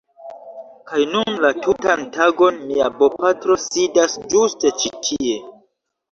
Kaj nun la tutan tagon mia bopatro sidas ĝuste ĉi tie